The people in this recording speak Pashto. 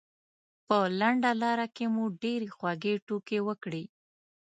په لنډه لاره کې مو ډېرې خوږې ټوکې وکړې.